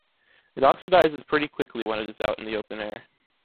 It oxidizes pretty quickly when it is out in the open air.